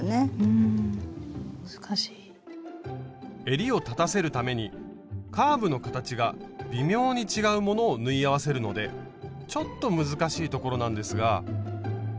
えりを立たせるためにカーブの形が微妙に違うものを縫い合わせるのでちょっと難しいところなんですが。